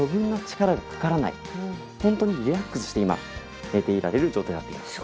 ホントにリラックスして今寝ていられる状態になっています。